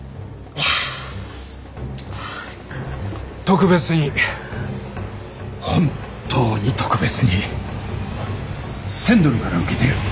特別に本当に特別に１，０００ドルから受けてやる。